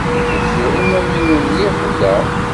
Ufiɣ iman-inu mliḥ da.